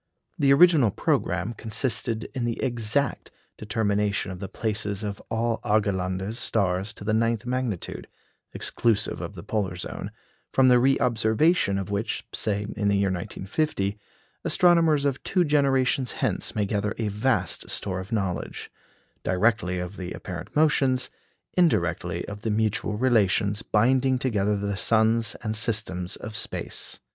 The original programme consisted in the exact determination of the places of all Argelander's stars to the ninth magnitude (exclusive of the polar zone), from the reobservation of which, say, in the year 1950, astronomers of two generations hence may gather a vast store of knowledge directly of the apparent motions, indirectly of the mutual relations binding together the suns and systems of space.